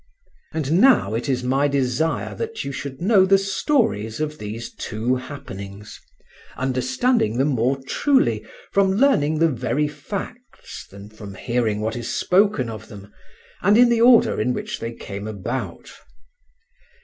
And now it is my desire that you should know the stories of these two happenings, understanding them more truly from learning the very facts than from hearing what is spoken of them, and in the order in which they came about.